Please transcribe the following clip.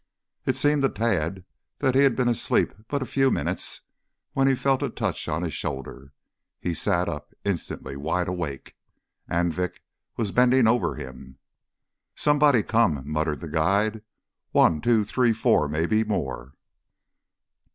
It seemed to Tad that he had been asleep but a few minutes when he felt a touch on his shoulder. He sat up, instantly wide awake. Anvik was bending over him. "Somebody come," muttered the guide. "One, two, three, four, maybe more."